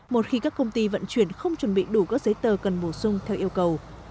một khi các công ty vận chuyển không chuẩn bị đủ các giấy tờ cần bổ sung theo yêu cầu